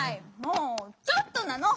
もう「ちょっと」なの？